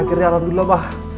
dan akhirnya alhamdulillah mah